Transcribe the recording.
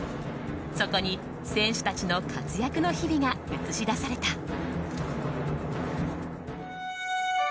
そこに選手たちの活躍の日々が映し出された。